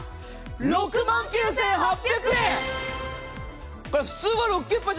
６万９８００円。